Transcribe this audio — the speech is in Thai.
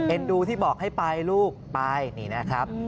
ดูที่บอกให้ไปลูกไปนี่นะครับ